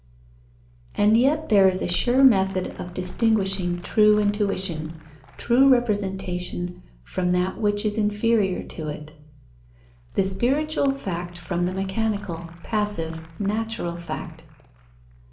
_ And yet there is a sure method of distinguishing true intuition, true representation, from that which is inferior to it: the spiritual fact from the mechanical, passive, natural fact.